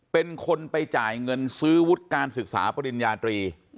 เป็นคนไปจ่ายเงินซื้อวุฒิการศึกษาปริญญาตรี